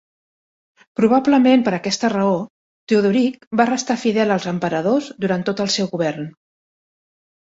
Probablement per aquesta raó, Teodoric va restar fidel als emperadors durant tot el seu govern.